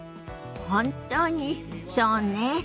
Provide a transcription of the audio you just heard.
本当にそうね。